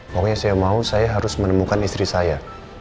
pokoknya saya mau saya harus menemukan istri saya